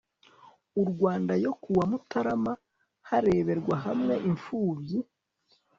u rwanda yo kuwa mutarama hareberwa hamwe imfubyi